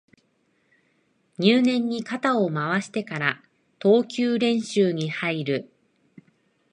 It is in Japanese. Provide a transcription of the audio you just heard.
入念に肩を回してから投球練習に入る